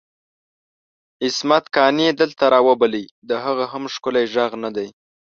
عصمت قانع دلته راوبلئ د هغه هم ښکلی ږغ ندی؟!